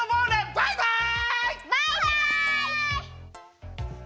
バイバイ！